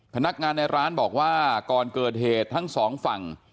พนักงานในร้านบอกว่าก่อนเกิดเหตุทั้งสองฝั่ง